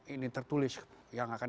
ini tertulis yang akan